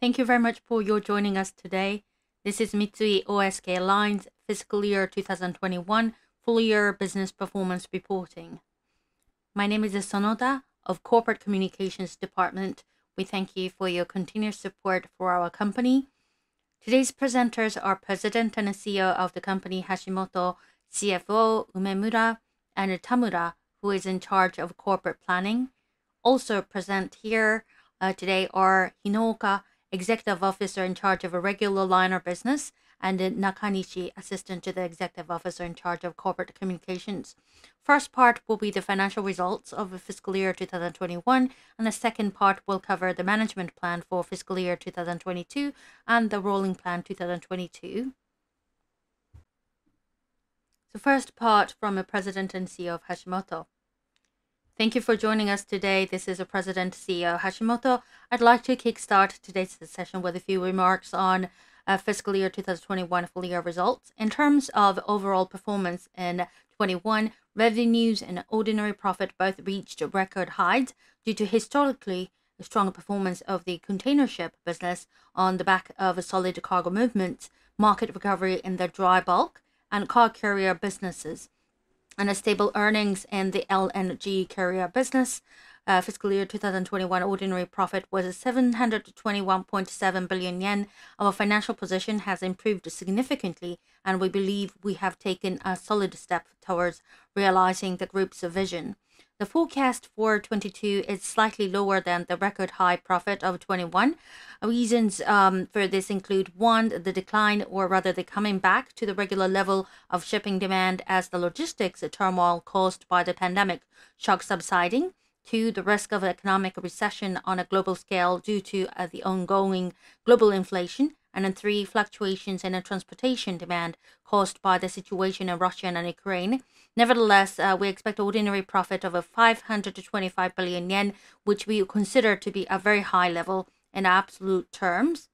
Thank you very much for your joining us today. This is Mitsui O.S.K. Lines Fiscal Year 2021 full year business performance reporting. My name is Sonoda of Corporate Communications Department. We thank you for your continued support for our company. Today's presenters are President and CEO of the company, Hashimoto, CFO Umemura, and Tamura, who is in charge of corporate planning. Also present here, today are Hinooka, Executive Officer in charge of a regular liner business, and Nakanishi, Assistant to the Executive Officer in charge of Corporate Communications. First part will be the financial results of the fiscal year 2021, and the second part will cover the management plan for fiscal year 2022 and the Rolling Plan 2022. The first part from the President and CEO of Hashimoto. Thank you for joining us today. This is President CEO Hashimoto. I'd like to kick start today's session with a few remarks on fiscal year 2021 full year results. In terms of overall performance in 2021, revenues and ordinary profit both reached record highs due to historically strong performance of the container ship business on the back of solid cargo movements, market recovery in the dry bulk and car carrier businesses, and a stable earnings in the LNG carrier business. Fiscal year 2021 ordinary profit was 721.7 billion yen. Our financial position has improved significantly, and we believe we have taken a solid step towards realizing the group's vision. The forecast for 2022 is slightly lower than the record high profit of 2021. Reasons for this include, one, the decline, or rather the coming back to the regular level of shipping demand as the logistics turmoil caused by the pandemic shock subsiding. Two, the risk of economic recession on a global scale due to the ongoing global inflation. Then three, fluctuations in a transportation demand caused by the situation in Russia and in Ukraine. Nevertheless, we expect ordinary profit of 525 billion yen, which we consider to be a very high level in absolute terms.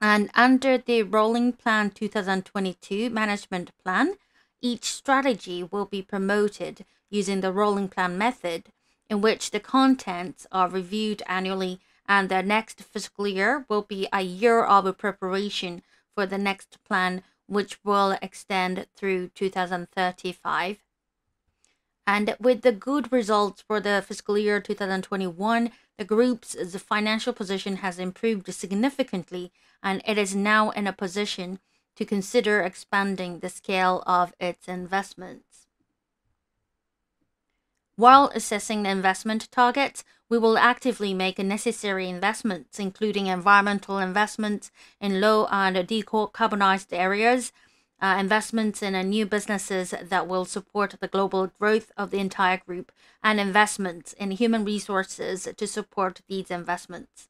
Under the Rolling Plan 2022 management plan, each strategy will be promoted using the Rolling Plan method in which the contents are reviewed annually, and the next fiscal year will be a year of preparation for the next plan, which will extend through 2035. With the good results for the fiscal year 2021, the group's financial position has improved significantly, and it is now in a position to consider expanding the scale of its investments. While assessing the investment targets, we will actively make necessary investments, including environmental investments in low and decarbonized areas, investments in new businesses that will support the global growth of the entire group, and investments in human resources to support these investments.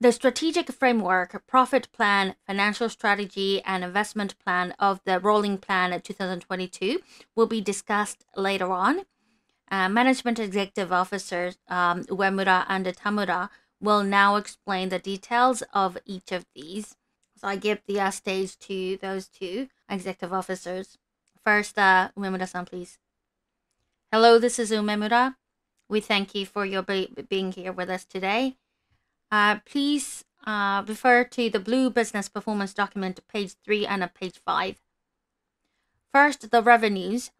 The strategic framework, profit plan, financial strategy, and investment plan of the Rolling Plan 2022 will be discussed later on. Management Executive Officers Umemura and Tamura will now explain the details of each of these. I give the stage to those two executive officers. First, Umemura-san, please. Hello, this is Umemura. We thank you for your being here with us today. Please refer to the blue business performance document, page three and page five. First, the revenues.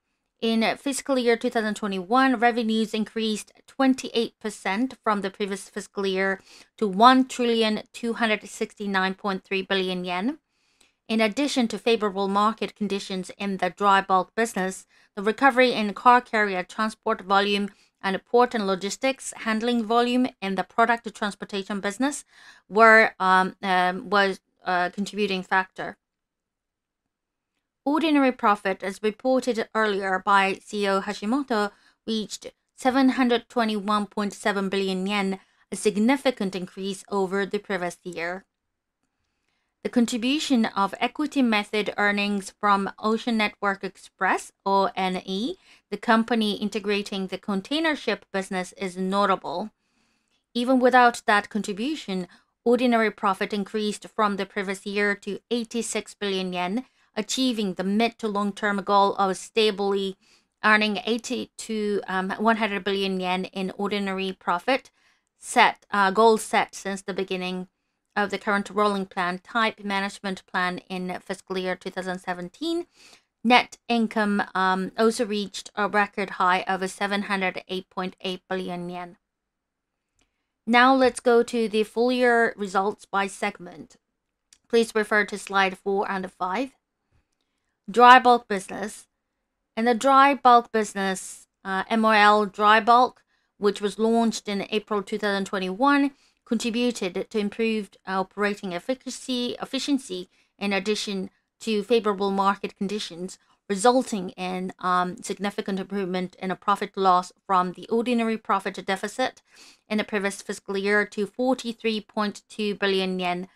In fiscal year 2021, revenues increased 28% from the previous fiscal year to 1,269.3 billion yen. In addition to favorable market conditions in the dry bulk business, the recovery in car carrier transport volume and port and logistics handling volume in the product transportation business was a contributing factor. Ordinary profit, as reported earlier by CEO Hashimoto, reached 721.7 billion yen, a significant increase over the previous year. The contribution of equity method earnings from Ocean Network Express, ONE, the company integrating the container ship business, is notable. Even without that contribution, ordinary profit increased from the previous year to 86 billion yen, achieving the mid to long-term goal of stably earning 80 billion-100 billion yen in ordinary profit goal set since the beginning of the current Rolling Plan-type management plan in fiscal year 2017. Net income also reached a record high of 708.8 billion yen. Now let's go to the full year results by segment. Please refer to slide four and five. Drybulk business. In the dry bulk business, MOL Drybulk, which was launched in April 2021, contributed to improved operating efficiency in addition to favorable market conditions, resulting in significant improvement from the ordinary profit deficit in the previous fiscal year to 43.2 billion yen.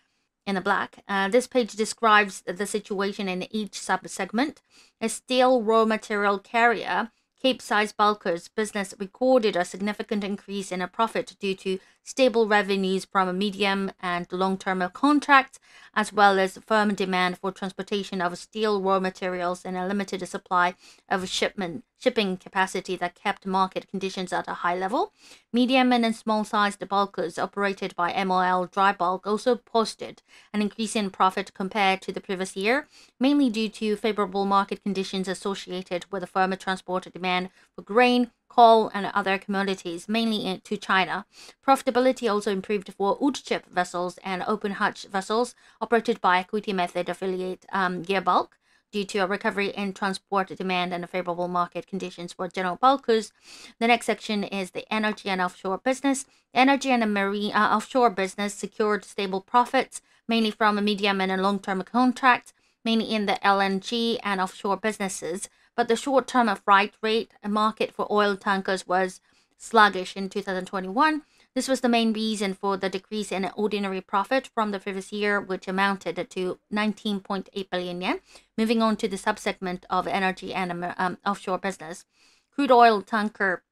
In the black. This page describes the situation in each sub-segment. A steel raw material carrier Capesize bulkers business recorded a significant increase in a profit due to stable revenues from a medium and long-term contracts, as well as firm demand for transportation of steel raw materials and a limited supply of shipping capacity that kept market conditions at a high level. Medium and small sized bulkers operated by MOL Drybulk also posted an increase in profit compared to the previous year, mainly due to favorable market conditions associated with a firm transport demand for grain, coal and other commodities, mainly to China. Profitability also improved for wood chip vessels and open hatch vessels operated by equity method affiliate, Gearbulk due to a recovery in transport demand and favorable market conditions for general bulkers. The next section is the energy and offshore business. Energy and marine offshore business secured stable profits, mainly from medium- and long-term contracts, mainly in the LNG and offshore businesses. The short-term freight rate market for oil tankers was sluggish in 2021. This was the main reason for the decrease in ordinary profit from the previous year, which amounted to 19.8 billion yen. Moving on to the sub-segment of energy and offshore business. Crude oil tanker.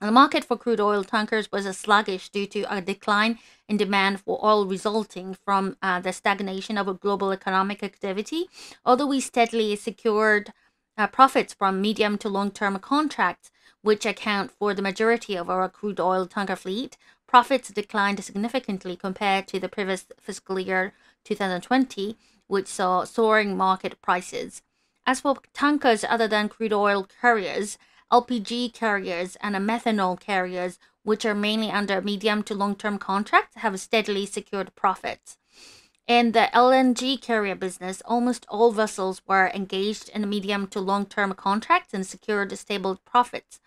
The market for crude oil tankers was sluggish due to a decline in demand for oil resulting from the stagnation of global economic activity. Although we steadily secured profits from medium to long-term contracts, which account for the majority of our crude oil tanker fleet, profits declined significantly compared to the previous fiscal year 2020, which saw soaring market prices. As for tankers other than crude oil carriers, LPG carriers and methanol carriers, which are mainly under medium to long-term contracts, have steadily secured profits. In the LNG carrier business, almost all vessels were engaged in a medium to long-term contracts and secured stable profits.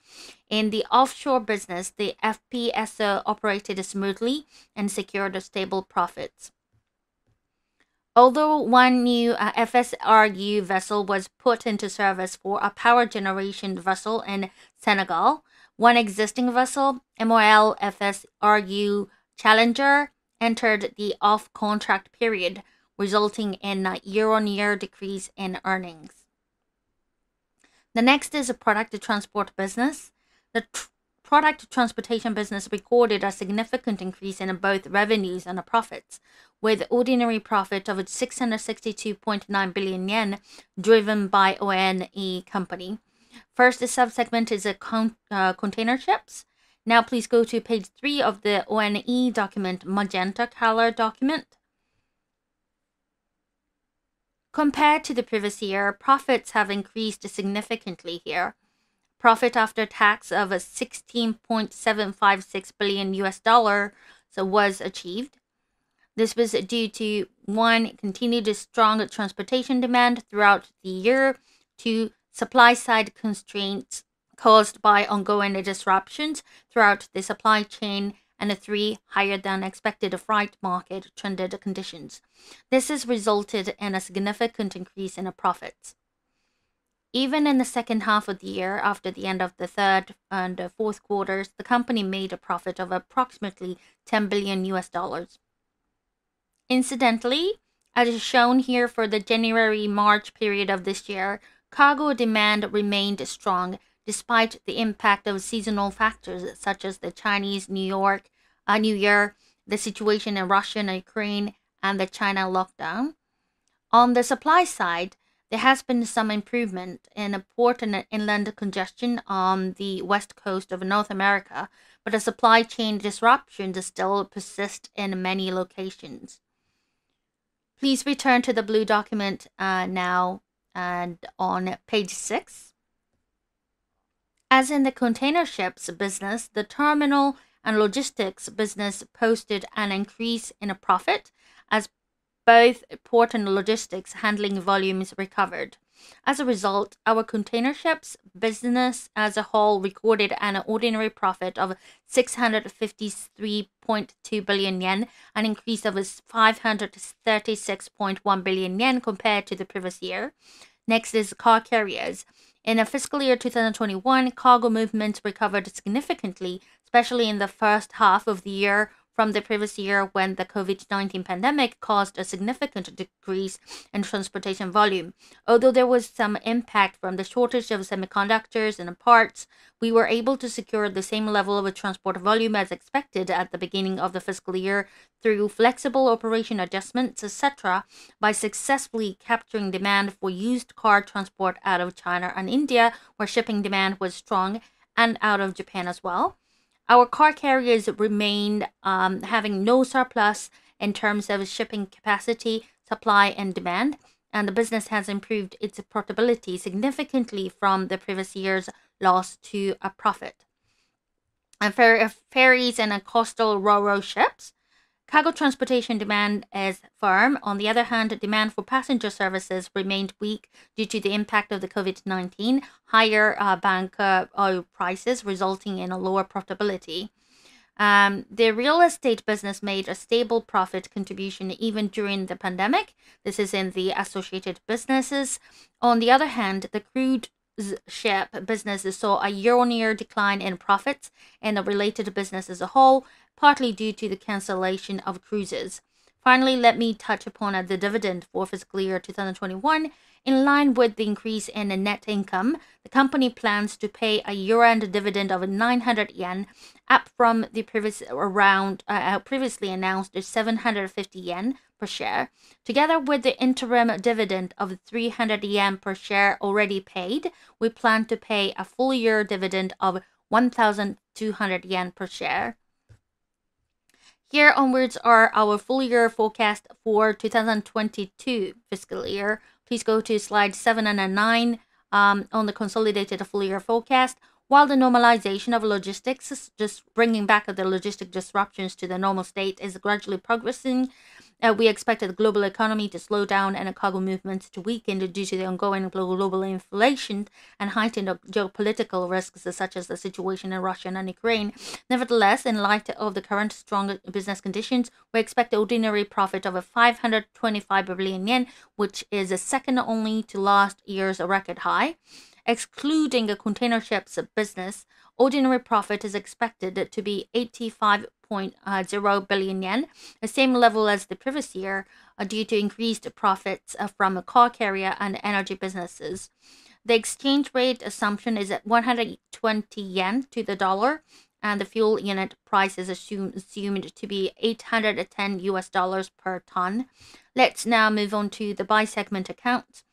In the offshore business, the FPSO operated smoothly and secured stable profits. Although one new FSRU vessel was put into service for a power generation vessel in Senegal, one existing vessel, MOL FSRU Challenger, entered the off-contract period, resulting in a year-on-year decrease in earnings. The next is a product transport business. The product transportation business recorded a significant increase in both revenues and profits, with ordinary profit of 662.9 billion yen, driven by ONE company. First, the sub-segment is a container ships. Now please go to page three of the ONE document, magenta color document. Compared to the previous year, profits have increased significantly here. Profit after tax of $16.756 billion so was achieved. This was due to, one, continued strong transportation demand throughout the year. Two, supply side constraints caused by ongoing disruptions throughout the supply chain. And three, higher than expected freight market trended conditions. This has resulted in a significant increase in profits. Even in the second half of the year, after the end of the Q3 and Q4, the company made a profit of approximately $10 billion. Incidentally, as shown here for the January-March period of this year, cargo demand remained strong despite the impact of seasonal factors such as the Chinese New Year, the situation in Russia and Ukraine, and the China lockdown. On the supply side, there has been some improvement in port and inland congestion on the West Coast of North America, but supply chain disruptions still persist in many locations. Please return to the blue document, now and on page six. As in the container ships business, the terminal and logistics business posted an increase in profit as both port and logistics handling volumes recovered. As a result, our container ships business as a whole recorded an ordinary profit of 653.2 billion yen, an increase of 536.1 billion yen compared to the previous year. Next is car carriers. In fiscal year 2021, cargo movements recovered significantly, especially in the first half of the year from the previous year when the COVID-19 pandemic caused a significant decrease in transportation volume. Although there was some impact from the shortage of semiconductors and parts, we were able to secure the same level of transport volume as expected at the beginning of the fiscal year through flexible operation adjustments, et cetera, by successfully capturing demand for used car transport out of China and India, where shipping demand was strong and out of Japan as well. Our car carriers remained having no surplus in terms of shipping capacity, supply and demand. The business has improved its profitability significantly from the previous year's loss to a profit. Ferries and coastal Ro-Ro ships. Cargo transportation demand is firm. On the other hand, demand for passenger services remained weak due to the impact of the COVID-19, higher bunker oil prices, resulting in a lower profitability. The real estate business made a stable profit contribution even during the pandemic. This is in the associated businesses. On the other hand, the cruise ship business saw a year-on-year decline in profits and the related business as a whole, partly due to the cancellation of cruises. Finally, let me touch upon the dividend for fiscal year 2021. In line with the increase in the net income, the company plans to pay a year-end dividend of 900 yen up from the previously announced 750 yen per share. Together with the interim dividend of 300 yen per share already paid, we plan to pay a full year dividend of 1,200 yen per share. Here onwards are our full year forecast for 2022 fiscal year. Please go to slide seven and nine on the consolidated full year forecast. While the normalization of logistics is just bringing back the logistic disruptions to the normal state is gradually progressing, we expect the global economy to slow down and cargo movements to weaken due to the ongoing global inflation and heightened geopolitical risks, such as the situation in Russia and Ukraine. Nevertheless, in light of the current strong business conditions, we expect ordinary profit of 525 billion yen, which is second only to last year's record high. Excluding the container ships business, ordinary profit is expected to be 85.0 billion yen, the same level as the previous year, due to increased profits from the car carrier and energy businesses. The exchange rate assumption is at 120 yen to the dollar, and the fuel unit price is assumed to be $810 per ton. Let's now move on to the by segment accounts.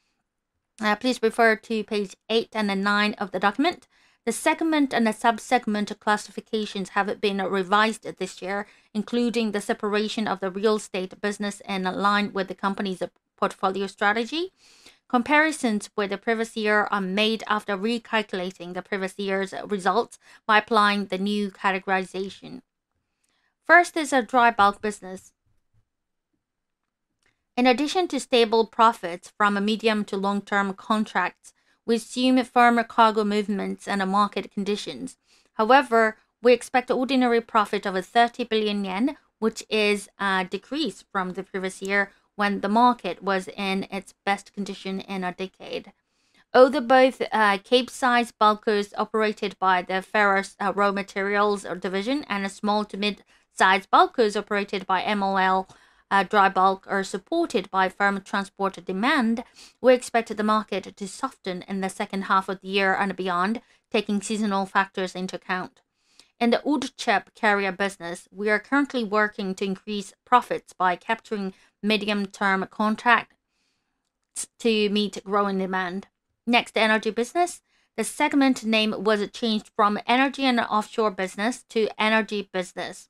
Please refer to page eight and nine of the document. The segment and the sub-segment classifications have been revised this year, including the separation of the real estate business in line with the company's portfolio strategy. Comparisons with the previous year are made after recalculating the previous year's results by applying the new categorization. First is our dry bulk business. In addition to stable profits from medium- to long-term contracts, we assume firm cargo movements and market conditions. However, we expect ordinary profit of 30 billion yen, which is a decrease from the previous year when the market was in its best condition in a decade. Although both, Capesize bulkers operated by the ferrous raw materials division and small- to mid-size bulkers operated by MOL Drybulk are supported by firm transport demand, we expect the market to soften in the second half of the year and beyond, taking seasonal factors into account. In the bulk carrier business, we are currently working to increase profits by capturing medium-term contract to meet growing demand. Next, energy business. The segment name was changed from energy and offshore business to energy business.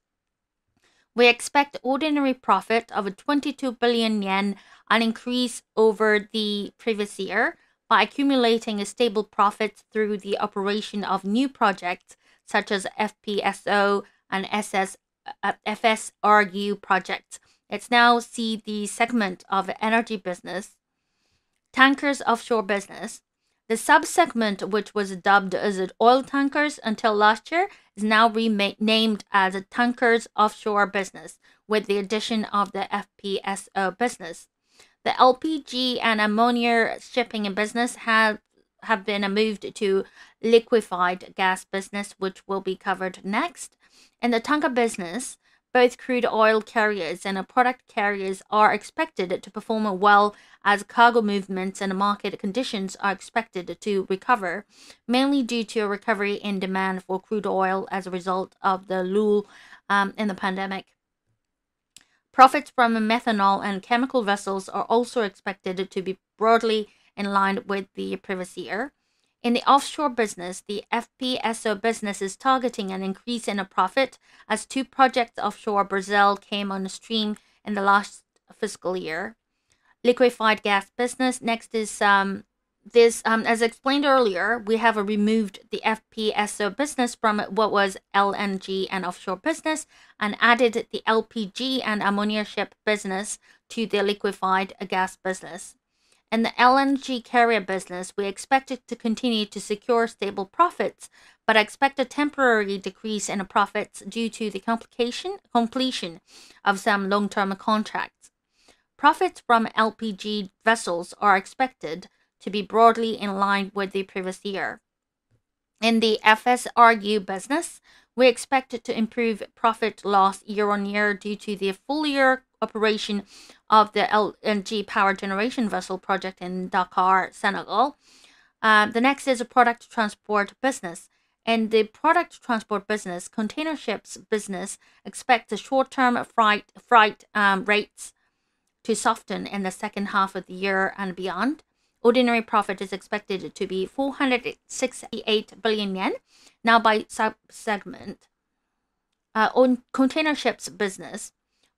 We expect ordinary profit of 22 billion yen and increase over the previous year by accumulating a stable profit through the operation of new projects such as FPSO and FSRU projects. Let's now see the segment of energy business. Tankers offshore business. The sub-segment, which was dubbed as an oil tankers until last year, is now named as a tankers offshore business with the addition of the FPSO business. The LPG and ammonia shipping business have been moved to liquefied gas business, which will be covered next. In the tanker business, both crude oil carriers and product carriers are expected to perform well as cargo movements and market conditions are expected to recover, mainly due to a recovery in demand for crude oil as a result of the lull in the pandemic. Profits from the methanol and chemical vessels are also expected to be broadly in line with the previous year. In the offshore business, the FPSO business is targeting an increase in a profit as two projects offshore Brazil came on stream in the last fiscal year. Liquefied gas business. Next is this, as explained earlier, we have removed the FPSO business from what was LNG and offshore business and added the LPG and ammonia ship business to the liquefied gas business. In the LNG carrier business, we expect it to continue to secure stable profits but expect a temporary decrease in profits due to the completion of some long-term contracts. Profits from LPG vessels are expected to be broadly in line with the previous year. In the FSRU business, we expect it to improve profits year-on-year due to the full year operation of the LNG power generation vessel project in Dakar, Senegal. The next is a product transport business. In the product transport business, container ships business expect the short-term freight rates to soften in the second half of the year and beyond. Ordinary profit is expected to be 468 billion yen. Now by sub-segment. On container ships business.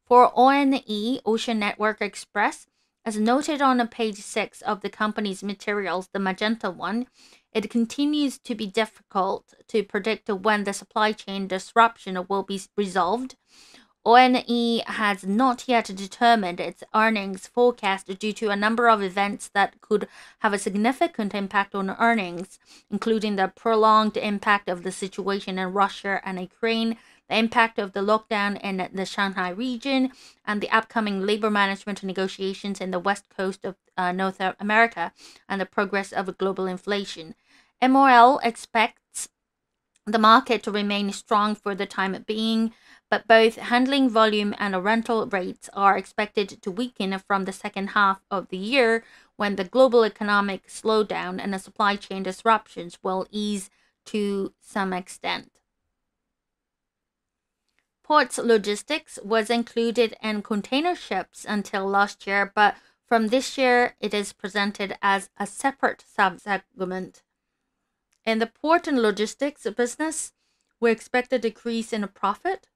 For ONE, Ocean Network Express, as noted on page six of the company's materials, the magenta one, it continues to be difficult to predict when the supply chain disruption will be resolved. ONE has not yet determined its earnings forecast due to a number of events that could have a significant impact on earnings, including the prolonged impact of the situation in Russia and Ukraine, the impact of the lockdown in the Shanghai region, and the upcoming labor management negotiations in the West Coast of North America, and the progress of global inflation. MOL expects the market to remain strong for the time being, but both handling volume and rental rates are expected to weaken from the second half of the year when the global economic slowdown and the supply chain disruptions will ease to some extent. Ports Logistics was included in Container Ships until last year, but from this year it is presented as a separate sub-segment. In the Port and Logistics business, we expect a decrease in profit,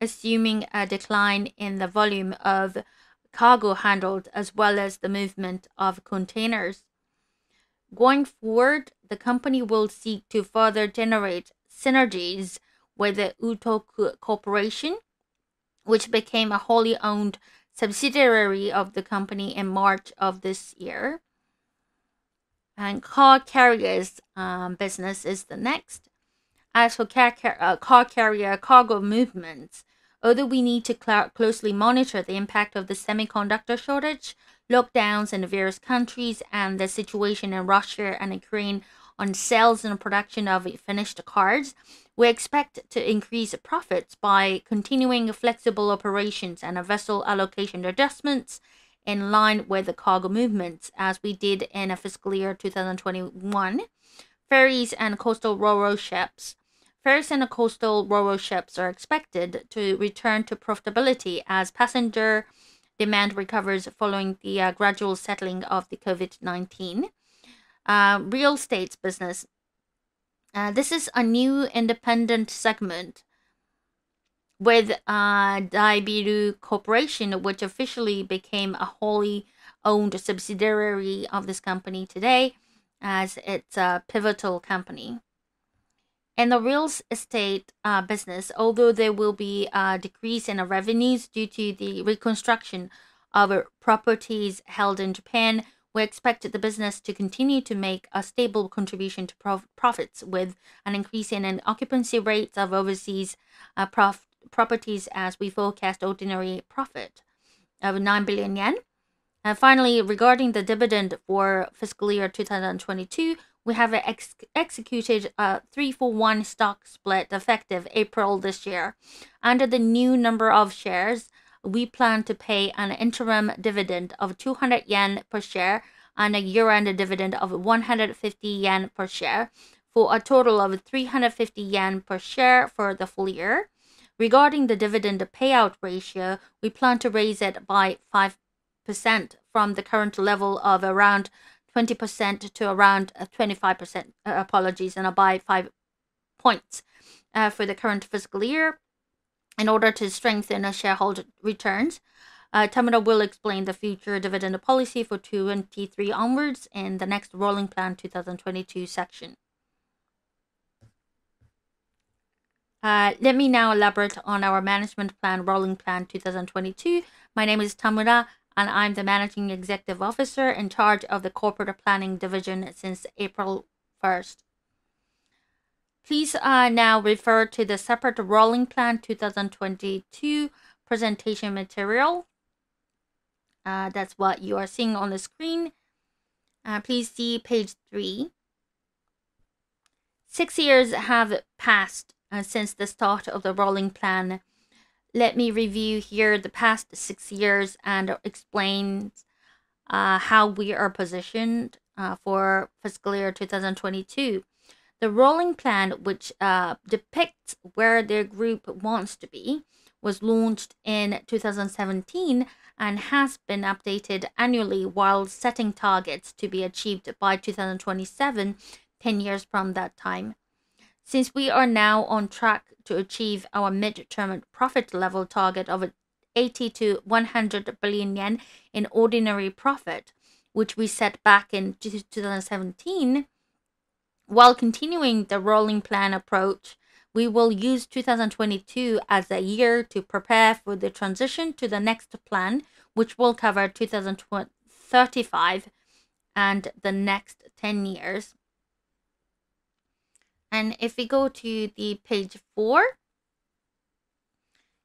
assuming a decline in the volume of cargo handled as well as the movement of containers. Going forward, the company will seek to further generate synergies with the Utoc Corporation, which became a wholly owned subsidiary of the company in March of this year. Car Carriers business is the next. As for car carrier cargo movements, although we need to closely monitor the impact of the semiconductor shortage, lockdowns in various countries and the situation in Russia and Ukraine on sales and production of finished cars, we expect to increase profits by continuing flexible operations and vessel allocation adjustments in line with the cargo movements as we did in fiscal year 2021. Ferries and Coastal Ro-Ro Ships are expected to return to profitability as passenger demand recovers following the gradual settling of the COVID-19. Real Estate business. This is a new independent segment with Daibiru Corporation, which officially became a wholly owned subsidiary of this company today as its pivotal company. In the Real Estate business, although there will be a decrease in our revenues due to the reconstruction of properties held in Japan, we expect the business to continue to make a stable contribution to profits with an increase in occupancy rates of overseas properties as we forecast ordinary profit of 9 billion yen. Finally, regarding the dividend for fiscal year 2022, we have executed a three-for-one stock split effective April this year. Under the new number of shares, we plan to pay an interim dividend of 200 yen per share and a year-end dividend of 150 yen per share for a total of 350 yen per share for the full year. Regarding the dividend payout ratio, we plan to raise it by 5% from the current level of around 20% to around 25%. Apologies, and by five points, for the current fiscal year in order to strengthen our shareholder returns. Tamura will explain the future dividend policy for 2023 onwards in the next Rolling Plan 2022 section. Let me now elaborate on our management plan, Rolling Plan 2022. My name is Tamura, and I'm the Managing Executive Officer in charge of the Corporate Planning Division since April 1. Please, now refer to the separate Rolling Plan 2022 presentation material. That's what you are seeing on the screen. Please see page three. Six years have passed since the start of the Rolling Plan. Let me review here the past six years and explain how we are positioned for fiscal year 2022. The Rolling Plan, which depicts where the group wants to be, was launched in 2017 and has been updated annually while setting targets to be achieved by 2027, 10 years from that time. Since we are now on track to achieve our mid-term profit level target of 80 billion-100 billion yen in ordinary profit, which we set back in 2017. While continuing the Rolling Plan approach, we will use 2022 as a year to prepare for the transition to the next plan, which will cover 2035 and the next 10 years. If we go to page four.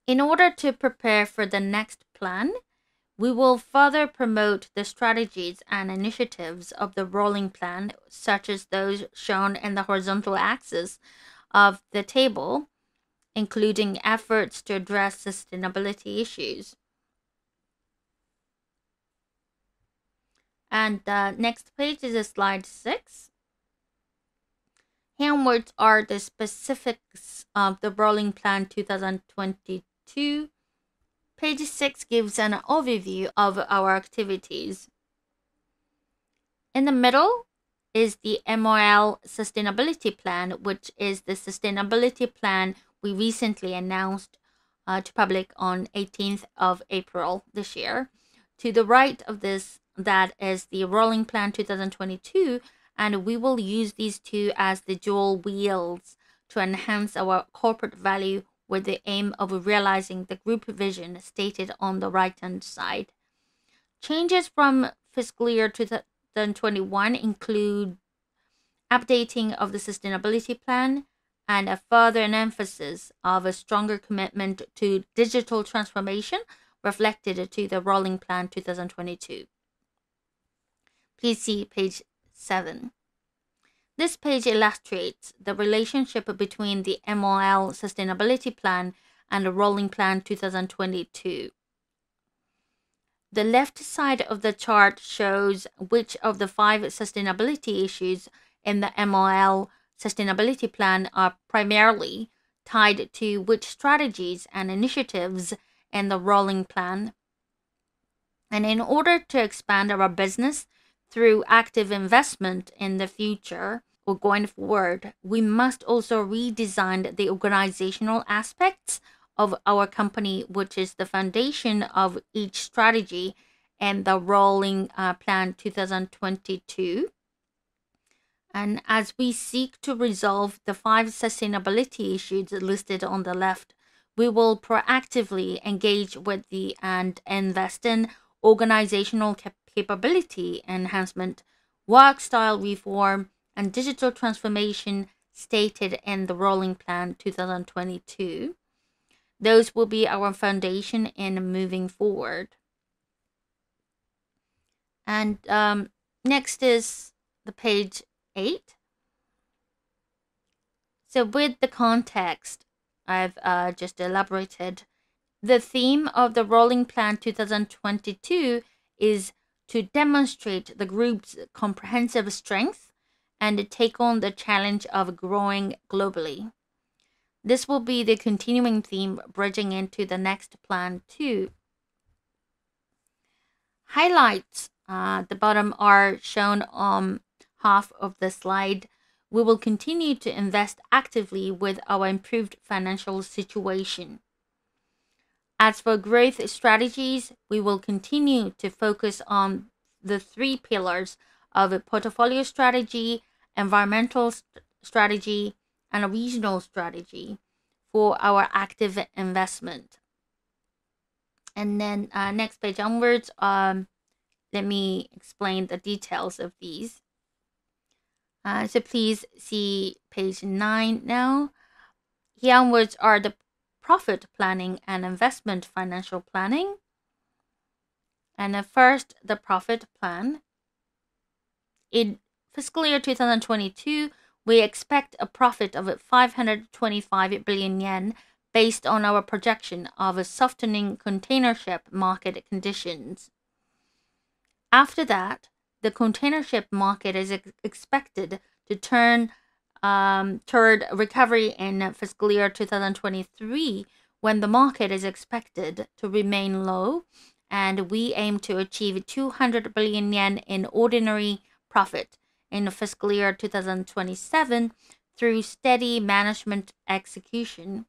In order to prepare for the next plan, we will further promote the strategies and initiatives of the Rolling Plan, such as those shown in the horizontal axis of the table, including efforts to address sustainability issues. The next page is slide six. Here are the specifics of the Rolling Plan 2022. Page six gives an overview of our activities. In the middle is the MOL Sustainability Plan, which is the sustainability plan we recently announced to the public on April 18th, this year. To the right of this, that is the Rolling Plan 2022, and we will use these two as the dual wheels to enhance our corporate value with the aim of realizing the group vision stated on the right-hand side. Changes from fiscal year 2021 include updating of the Sustainability Plan and a further emphasis of a stronger commitment to digital transformation reflected in the Rolling Plan 2022. Please see page seven. This page illustrates the relationship between the MOL Sustainability Plan and the Rolling Plan 2022. The left side of the chart shows which of the five sustainability issues in the MOL Sustainability Plan are primarily tied to which strategies and initiatives in the Rolling Plan. In order to expand our business through active investment in the future or going forward, we must also redesign the organizational aspects of our company, which is the foundation of each strategy and the Rolling Plan 2022. As we seek to resolve the five sustainability issues listed on the left, we will proactively engage in and invest in organizational capability enhancement, work style reform, and digital transformation stated in the Rolling Plan 2022. Those will be our foundation in moving forward. Next is page eight. With the context I've just elaborated, the theme of the Rolling Plan 2022 is to demonstrate the group's comprehensive strength and take on the challenge of growing globally. This will be the continuing theme bridging into the next plan too. Highlights the bottom half of the slide. We will continue to invest actively with our improved financial situation. As for growth strategies, we will continue to focus on the three pillars of a portfolio strategy, environmental strategy, and a regional strategy for our active investment. Next page onwards, let me explain the details of these. Please see page nine now. Here onwards are the profit planning and investment financial planning. At first, the profit plan. In fiscal year 2022, we expect a profit of 525 billion yen based on our projection of a softening containership market conditions. After that, the containership market is expected to turn toward recovery in fiscal year 2023, when the market is expected to remain low, and we aim to achieve 200 billion yen in ordinary profit in fiscal year 2027 through steady management execution,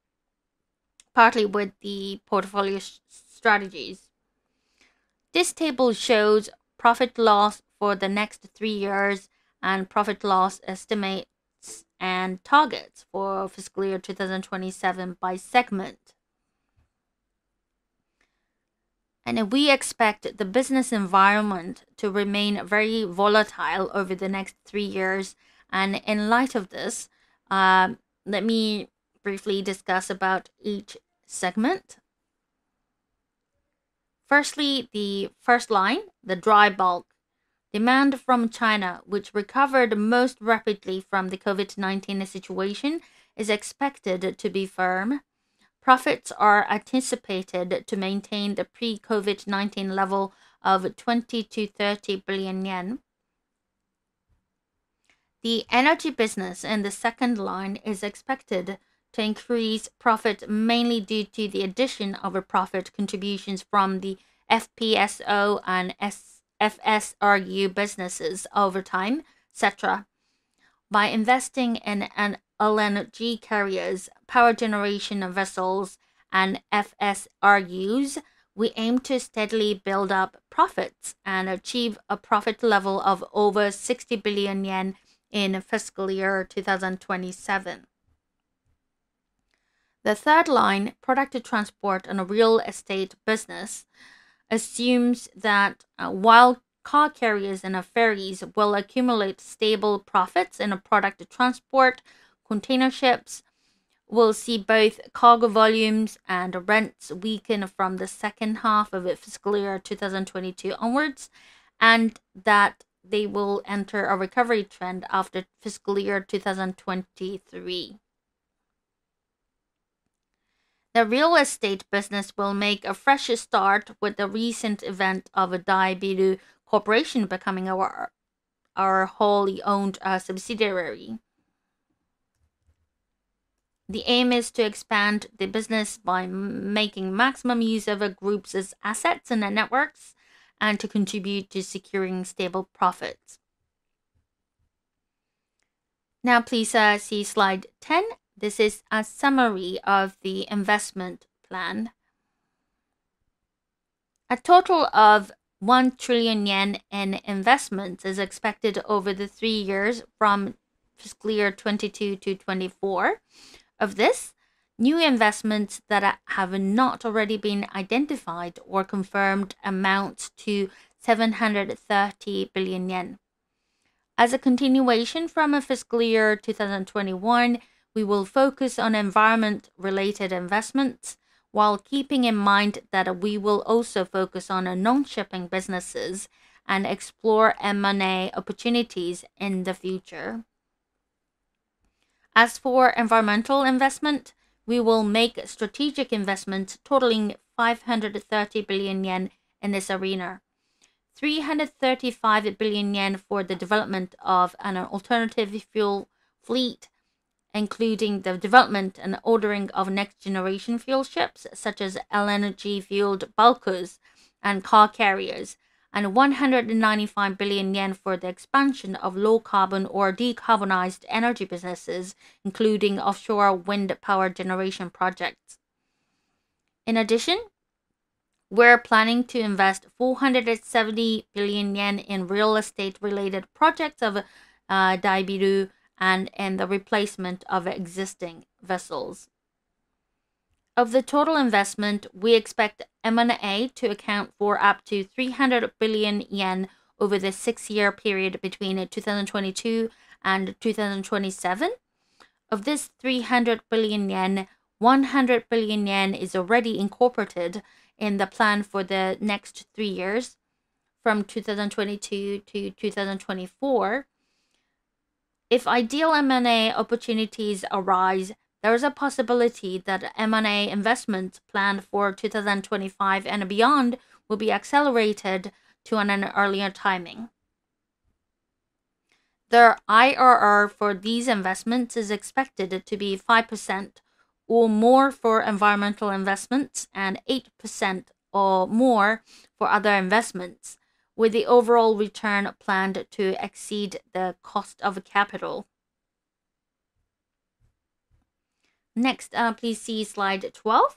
partly with the portfolio strategies. This table shows P/L for the next three years and P/L estimates and targets for fiscal year 2027 by segment. We expect the business environment to remain very volatile over the next three years. In light of this, let me briefly discuss about each segment. Firstly, the first line, the dry bulk. Demand from China, which recovered most rapidly from the COVID-19 situation, is expected to be firm. Profits are anticipated to maintain the pre-COVID-19 level of 20 billion-30 billion yen. The energy business in the second line is expected to increase profit mainly due to the addition of profit contributions from the FPSO and FSRU businesses over time, et cetera. By investing in an LNG carriers, power generation vessels, and FSRUs, we aim to steadily build up profits and achieve a profit level of over 60 billion yen in fiscal year 2027. The third line, product transport and real estate business, assumes that while car carriers and ferries will accumulate stable profits in a product transport, containerships will see both cargo volumes and rents weaken from the second half of fiscal year 2022 onwards, and that they will enter a recovery trend after fiscal year 2023. The real estate business will make a fresh start with the recent event of Daibiru Corporation becoming our wholly owned subsidiary. The aim is to expand the business by making maximum use of our groups' assets and their networks, and to contribute to securing stable profits. Now please, see slide 10. This is a summary of the investment plan. A total of 1 trillion yen in investments is expected over the three years from fiscal year 2022 to 2024. Of this, new investments that have not already been identified or confirmed amounts to 730 billion yen. As a continuation from fiscal year 2021, we will focus on environment-related investments while keeping in mind that we will also focus on our non-shipping businesses and explore M&A opportunities in the future. As for environmental investment, we will make strategic investments totaling 530 billion yen in this arena. 335 billion yen for the development of an alternative fuel fleet, including the development and ordering of next-generation fuel ships such as LNG-fueled bulkers and car carriers, and 195 billion yen for the expansion of low carbon or decarbonized energy businesses, including offshore wind power generation projects. In addition, we're planning to invest 470 billion yen in real estate-related projects of Daibiru and in the replacement of existing vessels. Of the total investment, we expect M&A to account for up to 300 billion yen over the six-year period between 2022 and 2027. Of this 300 billion yen, 100 billion yen is already incorporated in the plan for the next three years from 2022 to 2024. If ideal M&A opportunities arise, there is a possibility that M&A investments planned for 2025 and beyond will be accelerated to an earlier timing. The IRR for these investments is expected to be 5% or more for environmental investments and 8% or more for other investments, with the overall return planned to exceed the cost of capital. Next, please see slide 12.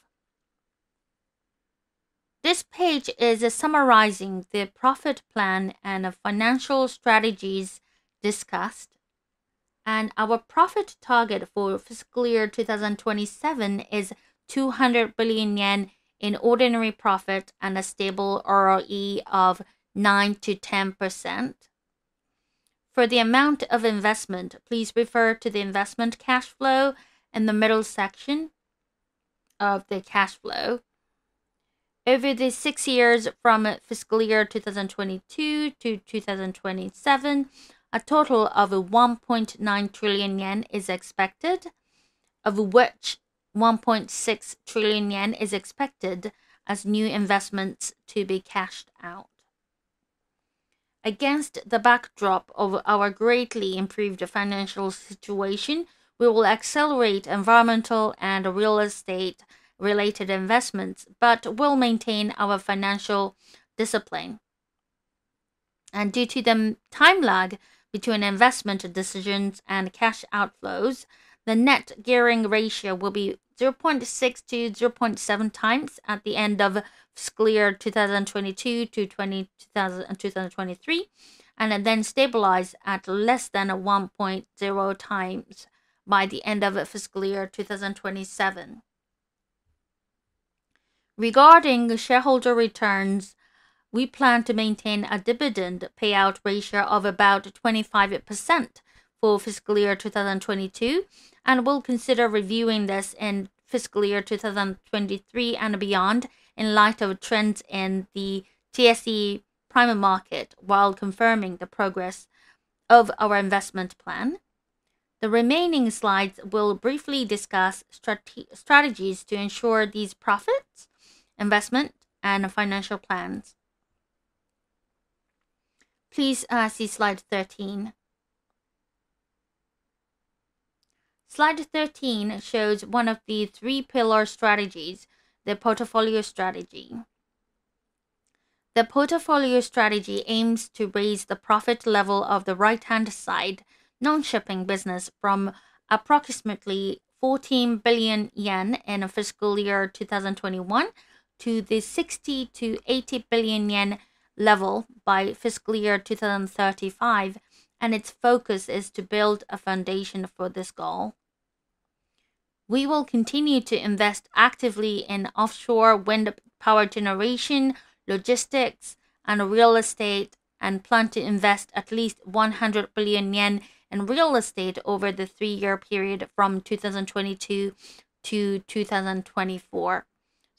This page is summarizing the profit plan and the financial strategies discussed. Our profit target for fiscal year 2027 is 200 billion yen in ordinary profit and a stable ROE of 9%-10%. For the amount of investment, please refer to the investment cash flow in the middle section of the cash flow. Over the six years from fiscal year 2022 to 2027, a total of 1.9 trillion yen is expected, of which 1.6 trillion yen is expected as new investments to be cashed out. Against the backdrop of our greatly improved financial situation, we will accelerate environmental and real estate-related investments, but we'll maintain our financial discipline. Due to the time lag between investment decisions and cash outflows, the net gearing ratio will be 0.6x-0.7x at the end of fiscal year 2022 to 2023 and then stabilize at less than 1.0x by the end of fiscal year 2027. Regarding shareholder returns, we plan to maintain a dividend payout ratio of about 25% for fiscal year 2022, and we'll consider reviewing this in fiscal year 2023 and beyond in light of trends in the TSE Prime Market while confirming the progress of our investment plan. The remaining slides will briefly discuss strategies to ensure these profits, investment, and financial plans. Please, see slide 13. Slide 13 shows one of the three pillar strategies, the portfolio strategy. The portfolio strategy aims to raise the profit level of the right-hand side non-shipping business from approximately 14 billion yen in fiscal year 2021 to the 60 billion-80 billion yen level by fiscal year 2035, and its focus is to build a foundation for this goal. We will continue to invest actively in offshore wind power generation, logistics, and real estate, and plan to invest at least 100 billion yen in real estate over the three-year period from 2022 to 2024.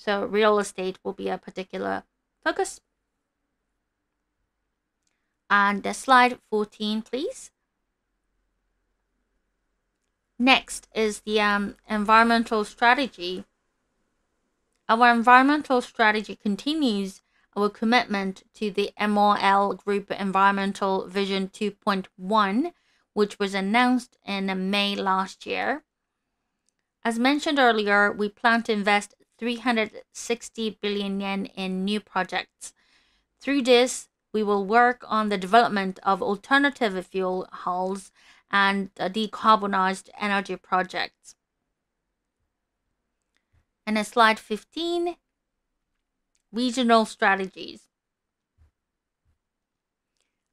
Real estate will be a particular focus. Slide 14, please. Next is the environmental strategy. Our environmental strategy continues our commitment to the MOL Group Environmental Vision 2.1, which was announced in May last year. As mentioned earlier, we plan to invest 360 billion yen in new projects. Through this, we will work on the development of alternative fuel hulls and decarbonized energy projects. Slide 15, regional strategies.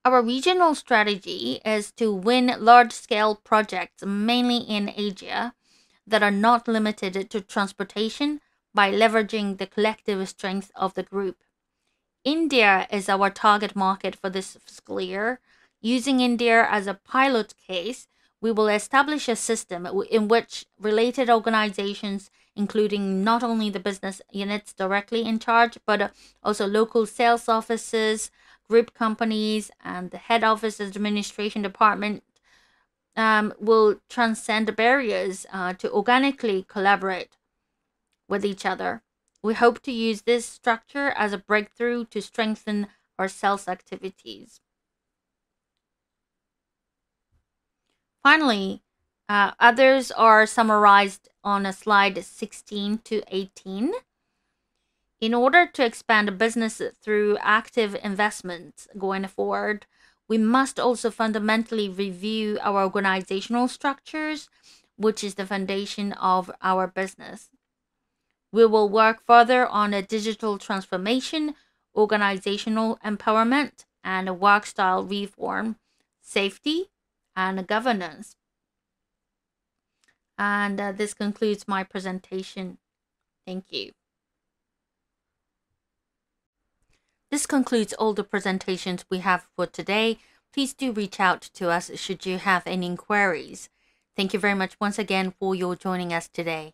Our regional strategy is to win large-scale projects, mainly in Asia, that are not limited to transportation by leveraging the collective strength of the group. India is our target market for this fiscal year. Using India as a pilot case, we will establish a system in which related organizations, including not only the business units directly in charge, but also local sales offices, group companies, and the head office's administration department, will transcend the barriers to organically collaborate with each other. We hope to use this structure as a breakthrough to strengthen our sales activities. Finally, others are summarized on slide 16-18. In order to expand the business through active investments going forward, we must also fundamentally review our organizational structures, which is the foundation of our business. We will work further on a digital transformation, organizational empowerment and work style reform, safety and governance. This concludes my presentation. Thank you. This concludes all the presentations we have for today. Please do reach out to us should you have any inquiries. Thank you very much once again for your joining us today.